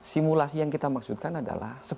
simulasi yang kita maksudkan adalah